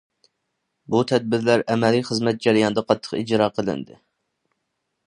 بۇ تەدبىرلەر ئەمەلىي خىزمەت جەريانىدا قاتتىق ئىجرا قىلىندى.